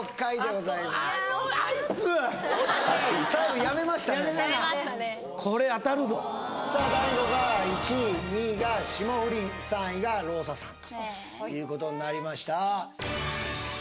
もうやめましたねさあ大悟が１位２位が霜降り３位がローサさんということになりました